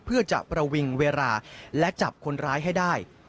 เพื่อจะประวิงเวลาและจับคนร้ายให้ได้